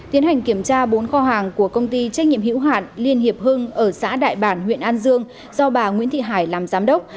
tiến hành kiểm tra bốn kho hàng của công ty trách nhiệm hữu hạn liên hiệp hưng ở xã đại bản huyện an dương do bà nguyễn thị hải làm giám đốc